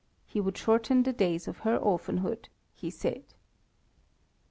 He would shorten the days of her orphanhood, he said.